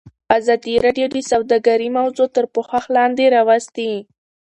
ازادي راډیو د سوداګري موضوع تر پوښښ لاندې راوستې.